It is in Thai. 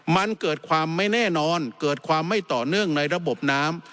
มันเกิดความไม่แน่นอนเกิดความไม่ต่อเนื่องในระบบน้ำ